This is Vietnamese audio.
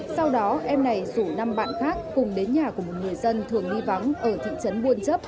sau đó em này rủ năm bạn khác cùng đến nhà của một người dân thường đi vắng ở thị trấn buôn chấp